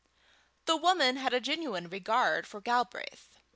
The woman had a genuine regard for Galbraith.